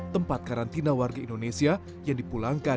tempat karantina warga indonesia yang dipulangkan